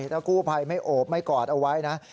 ถ้ากู้ภัยไม่โอบไม่กอดเอาไว้นะ